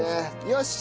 よし！